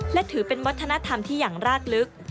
และถือเป็นวัฒนธรรมที่อย่างรากลึก